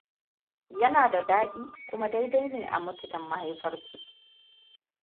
Yana da daɗi kuma daidai ne a mutu don mahaifarku.